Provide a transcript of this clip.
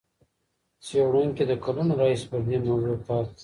څېړونکي له کلونو راهیسې پر دې موضوع کار کوي.